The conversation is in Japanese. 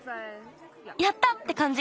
やった！ってかんじ。